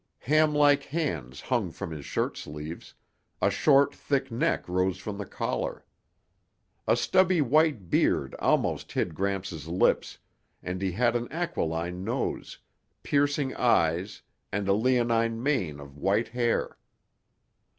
Hamlike hands hung from his shirt sleeves, a short, thick neck rose from the collar. A stubby white beard almost hid Gramps' lips and he had an aquiline nose, piercing eyes and a leonine mane of white hair.